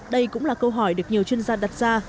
đây cũng là câu hỏi được nhiều chuyên gia đặt ra